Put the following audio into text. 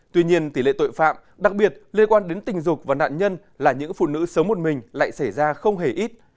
tuy nhiên tỷ lệ tội phạm đặc biệt liên quan đến tình dục và nạn nhân là những phụ nữ sống một mình lại xảy ra không hề ít